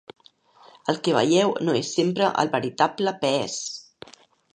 El que veieu no és sempre el veritable pes...